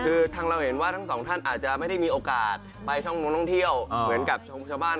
คือทางเราเห็นว่าทั้งสองท่านอาจจะไม่ได้มีโอกาสไปช่องนู้นท่องเที่ยวเหมือนกับชาวบ้าน